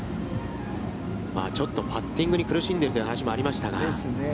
ちょっとパッティングに苦しんでいるという話もありましたが。ですね。